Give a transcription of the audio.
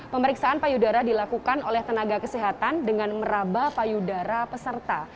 pemeriksaan payudara dilakukan oleh tenaga kesehatan dengan meraba payudara peserta